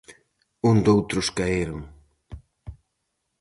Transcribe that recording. Onde outros caeron...